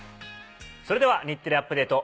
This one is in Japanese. それでは『日テレアップＤａｔｅ！』